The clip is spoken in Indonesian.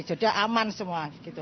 jadi aman semua